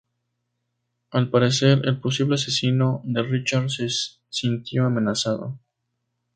Al parecer el posible asesino de Richard se sintió amenazado.